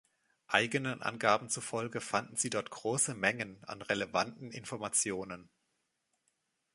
Eigenen Angaben zufolge fanden sie dort große Mengen an relevanten Informationen.